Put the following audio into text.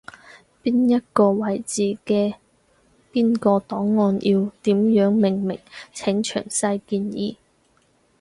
邊一個位置嘅邊個檔案要點樣命名，請詳細建議